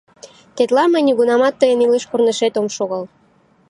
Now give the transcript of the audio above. Тетла мый нигунамат тыйын илыш корнешет ом шогал.